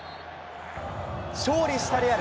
勝利したレアル。